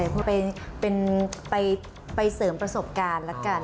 ไปเสริมประสบการณ์แล้วกัน